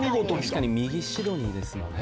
確かに右シドニーですもんね。